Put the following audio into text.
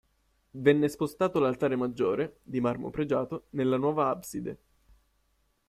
Venne spostato l'altare maggiore, di marmo pregiato, nella nuova abside.